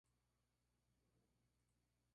La plaza general Primo de Rivera.